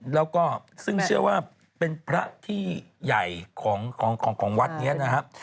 แล้วก็ซึ่งเชื่อว่าเป็นพระที่ใหญ่ของวัดนี้นะครับ